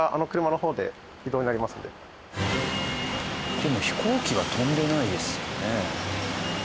でも飛行機は飛んでないですよね。